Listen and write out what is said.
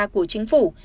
của chính phủ